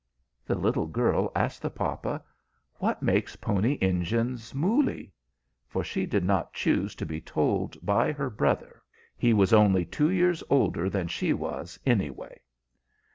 The little girl asked the papa, "What makes Pony Engines mooley?" for she did not choose to be told by her brother; he was only two years older than she was, anyway.